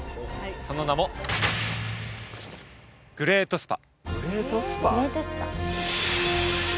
その名もグレート・スパ